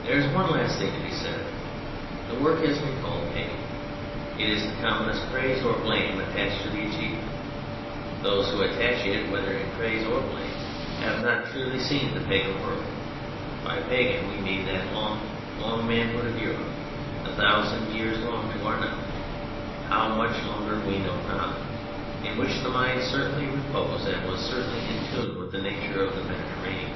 There is one last thing to be said : the work has been called pagan. It is the commonest praise or blame attached to the achievement. Those who attach it, whether in praise or blame, have not clearly seen the pagan world. By pagan we mean that long, long manhood of Europe (a thousand years long to our knowledge how much longer we know not) in which the mind certainly reposed and was certainly in tune with the nature of the Mediter ranean.